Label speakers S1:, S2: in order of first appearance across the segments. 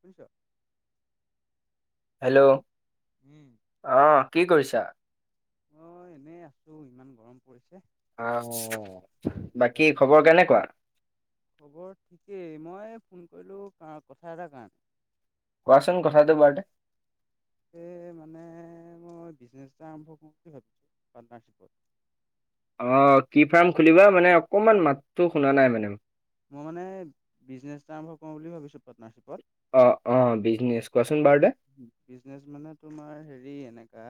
S1: শুনিছোঁ?
S2: হেল্ল'
S1: উম
S2: অ' কি কৰিছা?
S1: অ' এনেই আছোঁ ইমান গৰম পৰিছে।
S2: আহ বাকী
S1: আজিকালি
S2: খবৰ কেনেকুৱা?
S1: খবৰ ঠিকেই, মই ফোন কৰিলোঁ কথা এটাৰ কাৰণে
S2: কোৱাচোন কথাটো বাৰতে
S1: এই মানে মই বিজনেছ এটা আৰম্ভ কৰোঁ বুলি ভাবিছোঁ পাৰ্টনাৰশ্বিপত।
S2: অ' কি ফাৰ্ম খুলিবা মানে অকমান মাতটো শুনা নাই মানে
S1: মই মানে বিজনেছ এটা আৰম্ভ কৰোঁ বুলি ভাবিছোঁ পাৰ্টনাৰশ্বিপত।
S2: অ' অ' বিজনেচ কোৱাচোন বাৰু দে
S1: বিজনেচ মানে তোমাৰ হেৰি এনেকা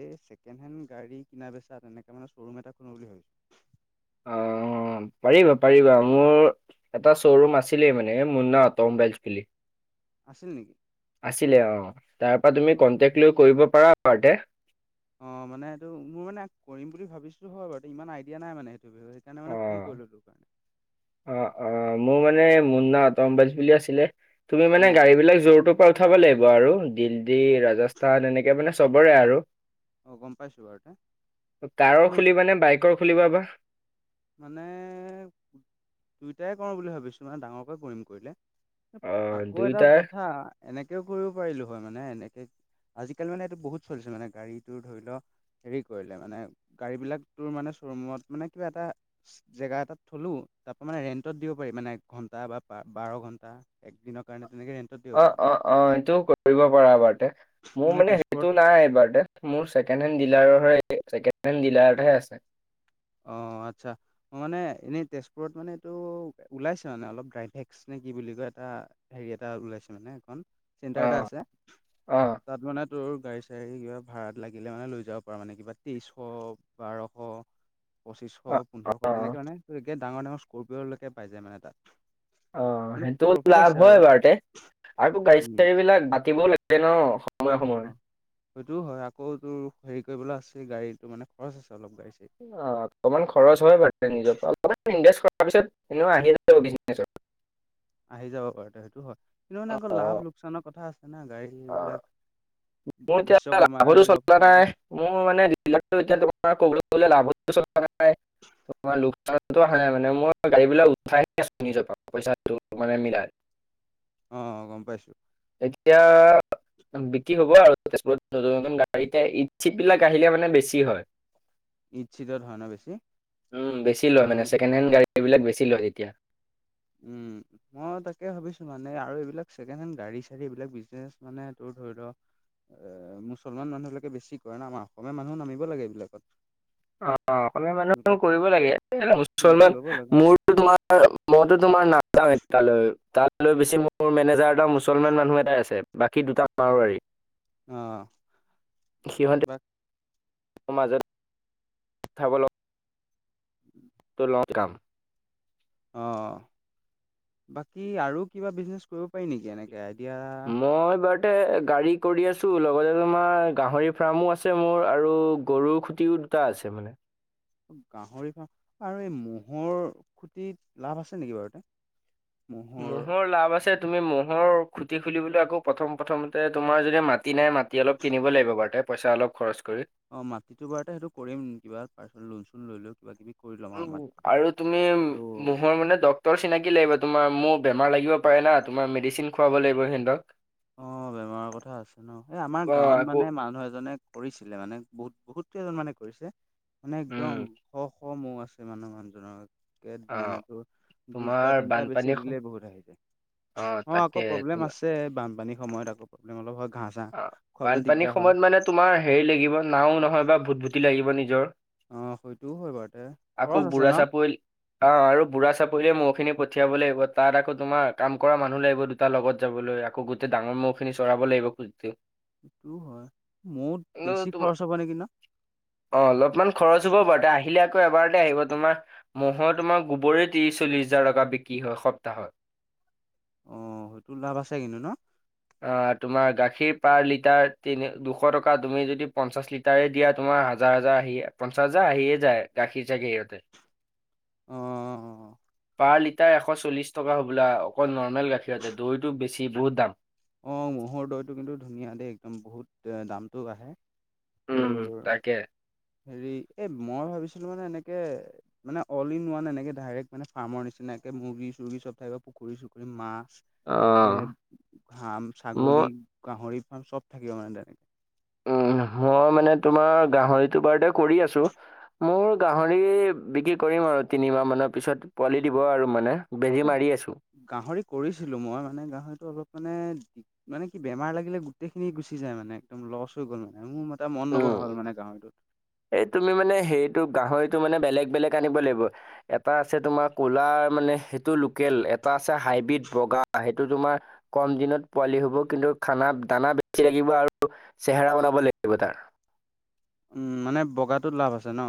S1: এই চেকেণ্ড হেণ্ড গাড়ী কিনা বেচা তেনেকে মানে শ্বৰুম এটা খোলোঁ বুলি ভাবিছোঁ।
S2: অ' পাৰিবা পাৰিবা মোৰ এটা শ্ব'ৰুম আছিলেই মানে মুন্না অট' মোবাইলছ বুলি।
S1: আছিল নেকি
S2: আছিলে অ, তাৰ পৰা
S1: অ
S2: তুমি কন্টেক লৈ কৰিব পাৰা ঘৰতে।
S1: অ মানে এইটো মোৰ মানে কৰিম বুলি ভাবিছিলো হয় বাৰু ইমান আইডিয়া নাই মানে সেইটো বিষয়ে সেইকাৰণে
S2: অ
S1: মানে ফোন কৰিলো তোক কাৰণে।
S2: অ অ মোৰ মানে মুন্না অট' মোবাইল্ছ বুলি আছিলে। তুমি মানে
S1: উম
S2: গাড়ী বিলাক য'ৰ ত'ৰ পৰা উঠাব লাগিব আৰু। দিল্লী, ৰাজস্থান এনেকে মানে চবৰে আৰু।
S1: অ গম পাইছো বাৰু তে
S2: কাৰৰ
S1: ন
S2: খুলিবা নে বাইকৰ খুলিবা বা?
S1: মানে দুইটাই কৰোঁ বুলি ভাবিছোঁ মানে ডাঙৰকৈ কৰিম কৰিলে।
S2: অ
S1: আকৌ এটা
S2: দুয়োটাৰ
S1: কথা এনেকেও কৰিব পাৰিলো হয় মানে এনেকে আজিকালি মানে এইটো বহুত চলিছে মানে গাড়ী তোৰ ধৰি ল' হেৰি কৰিলে মানে গাড়ী বিলাক তোৰ মানে শ্বৰুমত মানে কিবা এটা জেগা এটাত থলো তাৰ পৰা মানে ৰেন্টত দিব পাৰি মানে এক ঘণ্টা বা বাৰ বাৰ ঘন্টা একদিনৰ কাৰণে তেনেকে দিব
S2: অ
S1: পাৰি
S2: অ অ সেইটোও কৰিব পাৰা এবাৰ্তে। মোৰ মানে সেইটো নাই এইবাৰ্তে। মোৰ ছেকেণ্ড হেণ্ড ডিলাৰৰ হে ছেকেণ্ড হেণ্ড ডিলাৰতহে আছে।
S1: অ আচ্ছা। মই মানে এনেই তেজপুৰত মানে এইটো ওলাইছে মানে অলপ ড্ৰাইভ এক্স নে কি বুলি কয় এটা হেৰি এটা ওলাইছে মানে এখন
S2: অ
S1: চেণ্টাৰ এটা আছে।
S2: অ
S1: তাত মানে তোৰ গাড়ী-চাড়ী কিবা ভাড়াত লাগিলে মানে লৈ যাব পাৰ মানে কিবা তেইছশ, বাৰশ পঁচিছশ,
S2: অ
S1: পোন্ধৰশ
S2: অ
S1: তেনেকে মানে একে ডাঙৰ ডাঙৰ স্কৰপিঅ'ৰ লৈকে পাই যায় মানে তাত।
S2: অ
S1: মানে
S2: সেইটোও
S1: প্ৰফিট
S2: লাভ
S1: আছে
S2: হয়
S1: আৰু
S2: এবাৰতে আকৌ
S1: উম,
S2: গাড়ী-চাড়ী বিলাক থাকিবও লাগিব ন সময়ে সময়ে।
S1: অ', সেইটোও হয় আকৌ তোৰ হেৰি কৰিবলৈ আছিল গাড়ীতো মানে খৰচ আছে অলপ গাড়ী-চাড়ী।
S2: অ অকমান খৰচ হয় বাৰু নিজৰ অলমান ইনভেষ্ট কৰাৰ পিছত এনেও আহিয়ে যাব বিজনেচৰ
S1: আহি যাব বাৰু তে সেইটো হয় কিন্তু মানে
S2: অ
S1: আকৌ লাভ লোকচানৰ কথা আছে না গাড়ীত।
S2: অ
S1: এইবিলাক
S2: মোৰ এতিয়া লাভতো
S1: বিশ্বকৰ্মাই লগ
S2: চলা নাই
S1: দিলা
S2: মোৰ মানে ডিলাৰটো এতিয়া তোমাৰ কবলে গ'লে লাভতো চলা নাই, তোমাৰ লো কচানতো আহা নাই মানে। মই গাড়ী বিলাক উঠাইহে আছো নিজৰ পৰা পইচাটো মানে মিলাই।
S1: অঁ গম পাইছোঁ।
S2: এতিয়া বিক্ৰী হ'ব আৰু নতুন নতুন গাড়ীতে ঈদ-চিদ বিলাক আহিলে মানে বেছি হয়।
S1: ঈদ- চিদত হয় ন বেছি? তোৰ
S2: এইবিলাক বেছি লয় তেতিয়া।
S1: উম। মই তাকে ভাবিছো মানে আৰু এইবিলাক ছেকেণ্ডহেণ্ড গাড়ী- চাড়ী এইবিলাক বিজনেছ মানে তোৰ ধৰি ল' এ মুছলমান মানুহবিলাকে বেছি কৰে না, আমাৰ অসমীয়া মানুহো নামিব লাগে এইবিলাকত।
S2: অ অসমীয়া মানুহে
S1: এইবিলাক
S2: কৰিব লাগে, এতিয়া
S1: ফিল্ডটো
S2: মুছলমান
S1: ল'ব লাগে।
S2: মোৰতো তোমাৰ আ মইতো তোমাৰ নাযাও য়ে তালৈ, তালৈ বেছি মোৰ মেনে জাৰ এটা মুছলমান মানুহ এটাই আছে, বাকী দুটা মাৰোৱাৰী।
S1: অহ,
S2: সিহঁতে
S1: বা
S2: [unintelligible]
S1: [inaudible]
S2: [unintelligible]
S1: অ অ, বাকী আৰু কিবা বিজনেছ কৰিব পাৰি নেকি এনে [unintelligible]
S2: মই বাৰ তে গাড়ী কৰি আছো লগতে তোমাৰ গাহৰি ফাৰ্মো আছে মোৰ আৰু গৰুৰ খুঁটিও টা আছে মানে।
S1: গাহৰি ফাৰ্ম আৰু এই মহৰ খুটিত লাভ আছে নেকি বাৰু এটা?
S2: মহৰ লাভ আছে। তুমি মহৰ খুটি খুলিবলৈ আকৌ প্ৰথম প্ৰথমতে তোমাৰ যদি মাটি নাই, মাটি অলপ কিনিব লাগিব বাৰু তই, পইচা অলপ খৰচ কৰি।
S1: অঁ, মাটিটো বাৰ ততে সেইটো কৰিম কিবা পাৰ্চনেল লোন চোন লৈও কিবা কিবি। কৰি ল'ম আৰু
S2: উম
S1: মাটিটো।
S2: আৰু তুমি উম
S1: ত'
S2: মুহৰ মানে ড ক্টৰ চিনাকি লাগিব তোমাৰ মোৰ বেমাৰ লাগিব পাৰে না, তোমাৰ মেডিচিন খুৱাব লাগিব সেহঁতৰ।
S1: অঁ বেমাৰৰ কথা আছে ন, এই আমাৰ
S2: অ
S1: গাঁৱত
S2: আকৌ
S1: মানে মানুহ এজনে কৰিছিলে মানে বহুত বহুত কেইজনমানে কৰিছে মানে
S2: উম
S1: একদম শ শ মৌহ আছে মানুহ মানুহজনৰ। কেট
S2: অ
S1: মান
S2: তোমাৰ
S1: দুটা তিনটা বেচি দিলে বহুত আহি যায়।
S2: অঁ তাকে, তোমা
S1: তে বানপানীৰ সময়ত আকৌ প্ৰব্লেম অলপ হয় ঘাঁ
S2: অঁ বানপানীৰ সময়ত মানে তোমাৰ হেৰি লাগিব নাও নহয় বা ভুটভুতি লাগিব নিজৰ।
S1: অঁ সেইটোও হয় বাৰু তে, খৰচ আছে ন?
S2: অঁ আৰু বুঢ়া চাপৰিলে মহখিনি পঠিয়াব লাগিব তাত আকৌ তোমাৰ কাম কৰা মানুহ লাগিব দু টা লগত যাবলৈ আকৌ গোটেই ডাঙৰ ম'হখিনি চৰাব লাগিব খুজোতেই।
S1: এইটো হয়, মৌত বেছি খৰচ হ'ব নেকি ন?
S2: অঁ অলপমান খৰচ হব বাৰু দে আহিলে আকৌ এবাৰতে আহিব তোমাৰ। মহৰ তোমাৰ গোবৰে ত্ৰিশ চল্লিশ হাজাৰ টকা বিক্ৰী হয় সপ্তাহত।
S1: অঁ সেইটো লাভ আছে কিন্তু ন?
S2: অঁ তোমাৰ গাখীৰ পাৰ লিটাৰ তিনি দুশ টকা তুমি যদি পঞ্চাছ লি তাৰে দিয়া তোমাৰ হাজাৰ হাজাৰ আহিয়ে, পঞ্চাছ হাজাৰ আহিয়ে যায় গাখীৰ চাগে সিহঁতে।
S1: অঁ।
S2: পাৰ লিটাৰ এশ চল্লিশ টকা হ'বোলা অকল নৰ্মেল গাখীৰতে, দৈটো বেছি বহুত দাম।
S1: অঁ, ম'হৰ দৈটো কিন্তু ধুনীয়া দেই একদম বহুত দামটো বাঢ়ে,
S2: উম,
S1: তোৰ
S2: তাকে
S1: হেৰি, এ মই ভাবিছিলো মানে এনেকে মানে অল ইন ৱান এনেকে ডাইৰেক্ট মানে ফাৰ্মৰ নিচিনাকে মুৰ্গী চুৰ্গী চব থাকিব বা পুখুৰী চুখুৰী, মাছ এতিয়া
S2: অ'
S1: ঘাম
S2: মই
S1: ছাগলী, গাহৰি ফাৰ্ম চব থাকিব মানে তেনেকে।
S2: উম মই মানে তোমাৰ গাহৰিটো বাৰুতে কৰি আছো। মোৰ গাহৰি বিক্ৰী কৰিম আৰু তিনিমাহমানৰ পিছত পোৱালি দিব আৰু মানে। বেজি মাৰি আছো।
S1: গাহৰি কৰিছিলোঁ, মই মানে গাহৰিটো অলপ মানে মানে কি বেমাৰ লাগিলে গোটেইখিনি গুচি যায় মানে একদম লচ হৈ গ'ল মানে। মোৰ মা টা মন
S2: উম,
S1: নবহা হল মানে গাহৰিটোত।
S2: এই তুমি মানে সেইটো গাহৰিটো মানে বেলেগ বেলেগ আনিব লাগিব। এটা আছে তোমাৰ কলাৰ মানে সেইটো লোকেল, এটা আছে হাইব্ৰীড বগা সেই টো তোমাৰ কম দিনত পোৱালি হ'ব, কিন্তু খানা দানা বেছি লাগিব আৰু চেহেৰা বনাব লাগিব তাৰ।
S1: উম, মানে বগাটো লাভ আছে ন?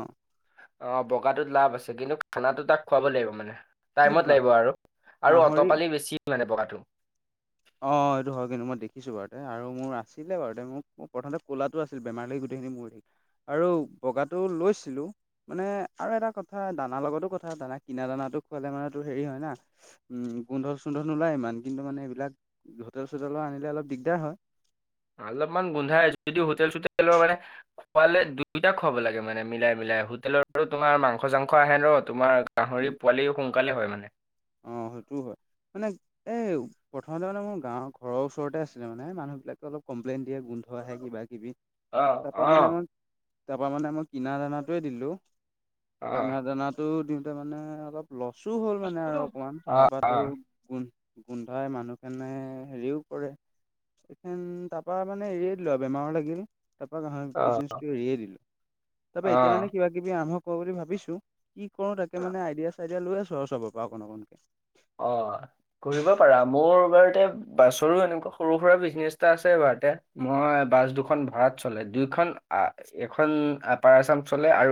S2: অঁ বগাটোত লাভ আছে, কিন্তু খানাটো তাক খোৱাব লাগিব মানে।
S1: কিন্তু
S2: টাইমত
S1: গা
S2: লাগিব আৰু, আৰু অট
S1: গাহৰি
S2: পালি বেছি মানে বগাটো।
S1: অঁ এইটো হয় কিন্তু মই দেখিছোঁ বাৰুতে আৰু মোৰ আছিলে বাৰুতে মোক প্ৰথমতে ক'লাটো আছিল বেমাৰ লাগি গোটেইখিনি মৰি থাকিল আৰু বগাটো লৈছিলোঁ মানে আৰু এটা কথা দানাৰ লগতো কথা দানা কিনা দানাটো খোৱালে মানে হেৰি হয় না উম গোন্ধ চোন্ধ নোলায় ইমান কিন্তু মানে এইবিলাক হোটেল চোটেলৰ আনিলে অলপ দিগদাৰ হয়
S2: অলপমান গোন্ধাই আছে যদি হোটেল চোটেলৰ মানে খোৱালে দুয়োটা খুৱাব লাগে মানে মিলাই মিলাই হোটেলৰো তোমাৰ মাংস চাংস আহে ন তোমাৰ গাহৰি পোৱালিও সোনকালে হয় মানে
S1: অঁ সেইটোৱেই হয় মানে এই প্ৰথমতে মানে মোৰ গাঁৱৰ ঘৰৰ ওচৰতে আছিলে মানে মুহ বিবিলাকে অলপ কমপ্লেতইন দিয়ে গো ধোৱা আহে কিবা কিবি
S2: অ অ
S1: তাৰপাছত মানে মই তাৰপৰা মানে মই কিনা দানাটোৱে দিলোঁ
S2: অ
S1: কিনা দানাটো দিওঁতে মানে অলপ লচো হ'ল মানে আৰু অকমান
S2: অ
S1: তাৰপাত আৰু গোন্ধ গোন্ধাই মানুহখনে হেৰিও কৰে এইখে তাৰপৰা মানে এৰিয়েই দিলোৱে বেমাৰৰ লাগিল তাৰাপা পিছত এৰিয়ে দিলো তাৰ পৰা এতিয়া মানে কিবা কিবি আৰম্ভ কৰো বুলি ভাবিছো কি কৰো তাক
S2: অ অ
S1: মানে আইডিয়া চাইডিয়া লৈ আছো আৰু চবৰ পৰা অকণ অকণকে
S2: অঁ কৰিব পাৰা মোৰ বাৰতে বাছৰো এনেকুৱা সৰু সুৰা বিজনেছ এটা আছেবাৰতে মই বাছ দুখন ভাড়াত চলে দুইখন এখন আপাৰআছাম চলে আৰু